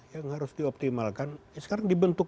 yang harus dioptimalkan sekarang dibentuk